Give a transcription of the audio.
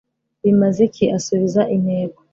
Bimaze iki »Asubiza intego